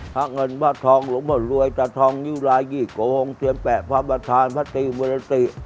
พระเงินพระทองหลวงพ่อรวยตาทองนิ้วรายี่โกองค์เตรียมแปะพระประธานพระตรีมุรติ